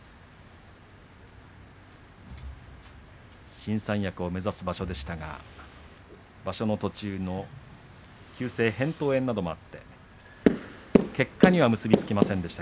新三役を目指す場所でしたが場所の途中の急性へんとう炎などもあって結果には結び付きませんでした